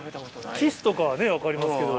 キスとかはね分かりますけど。